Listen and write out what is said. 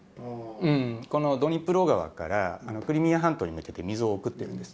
このドニプロ川からクリミア半島に向けて水を送ってるんです。